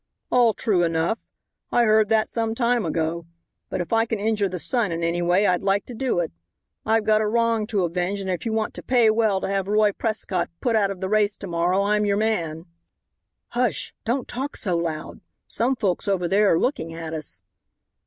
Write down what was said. "All true enough. I heard that some time ago. But if I can injure the son in any way, I'd like to do it. I've got a wrong to avenge, and if you want to pay well to have Roy Prescott put out of the race to morrow I'm your man." "Hush, don't talk so loud. Some folks over there are looking at us."